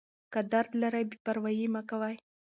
که درد لرئ بې پروايي مه کوئ.